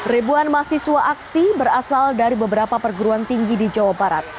ribuan mahasiswa aksi berasal dari beberapa perguruan tinggi di jawa barat